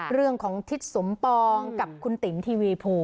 เรื่องของทิศสมปองกับคุณติ๋งทีวีโพ